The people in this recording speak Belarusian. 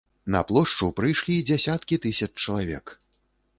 На плошчу прыйшлі дзясяткі тысяч чалавек.